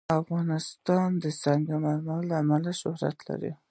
افغانستان د سنگ مرمر له امله شهرت لري.